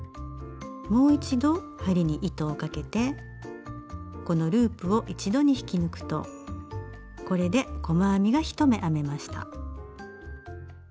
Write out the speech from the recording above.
もう一度針に糸をかけてこのループを一度に引き抜くとこれで細編みが１目編めました。